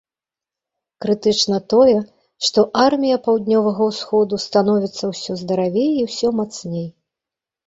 Крытычна тое, што армія паўднёвага ўсходу становяцца ўсё здаравей і ўсё мацней.